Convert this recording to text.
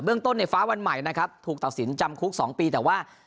ต้นในฟ้าวันใหม่นะครับถูกตัดสินจำคุก๒ปีแต่ว่า